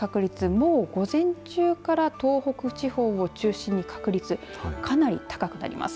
もう午前中から東北地方を中心に確率、かなり高くなります。